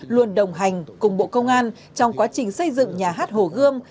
luôn đồng hành cùng bộ công an trong quá trình xây dựng nhà hát hồ gươm